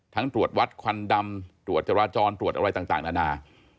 ตรวจวัดควันดำตรวจจราจรตรวจอะไรต่างนานา